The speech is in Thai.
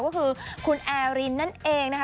ก็คือคุณแอรินนั่นเองนะคะ